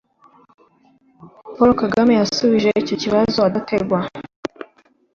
paul kagame yasubije icyo kibazo adategwa